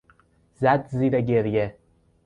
زد زیر گریه.